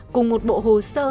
cùng một bộ hồ sơ